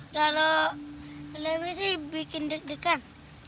kalau lebih sih bikin deg degan